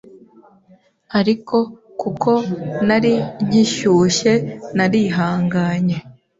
Ariko kuko nari nkishyushye narihanganye